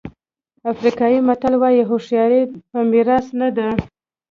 افریقایي متل وایي هوښیاري په میراث نه ده.